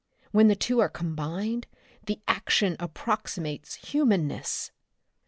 When the two are combined the action approximates humanness!"